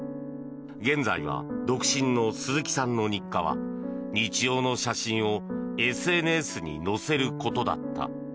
現在は独身の鈴木さんの日課は日常の写真をＳＮＳに載せることだった。